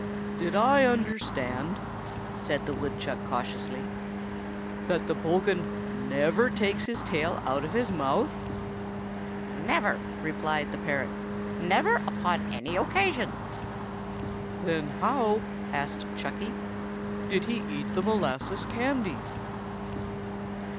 "Did I understand," said the woodchuck cautiously, "that the bogghun never takes his tail out of his mouth?" "Never!" replied the parrot. "Never, upon any occasion!" "Then how," asked Chucky, "did he eat the molasses candy?"